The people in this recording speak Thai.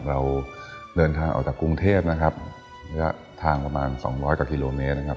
เราเดินทางออกจากกรุงเทพนะครับระยะทางประมาณสองร้อยกว่ากิโลเมตรนะครับ